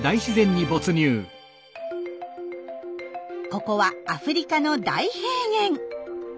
ここはアフリカの大平原。